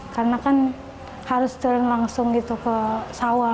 karena kan harus turun langsung ke sawah